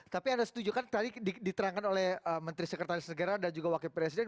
tapi anda setuju kan tadi diterangkan oleh menteri sekretaris negara dan juga wakil presiden